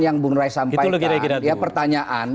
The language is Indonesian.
yang bung ray sampaikan itu lagi lagi datang ya pertanyaan